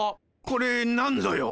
これなんぞよ？